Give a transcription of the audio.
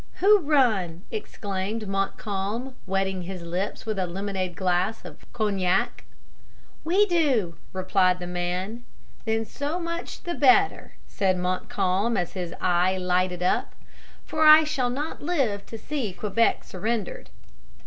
"Who run?" exclaimed Montcalm, wetting his lips with a lemonade glass of cognac. "We do," replied the man. "Then so much the better," said Montcalm, as his eye lighted up, "for I shall not live to see Quebec surrendered."